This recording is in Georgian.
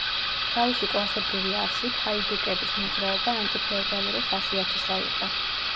თავისი კლასობრივი არსით ჰაიდუკების მოძრაობა ანტიფეოდალური ხასიათისა იყო.